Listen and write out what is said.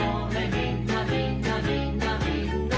みんなみんなみんなみんな」